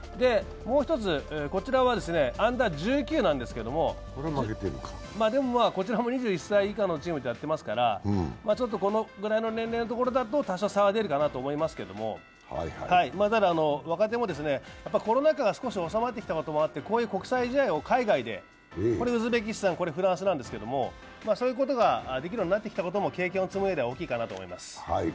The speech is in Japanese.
もう１つ、こちらはＵ−１９なんですけれども、こちらも２１歳以下のチームとやっていますから、このぐらいの年齢のところだと多少、差は出るかと思いますけれども、若手も、コロナ禍が少し収まってきたこともあって、国際試合を海外で、ウズベキスタンフランスですけれども、そういうことができるようになってきたことも経験を積むうえで大きいかなと思います。